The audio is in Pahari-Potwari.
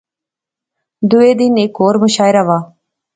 دوہے دن ہیک ہور مشاعرہ واہ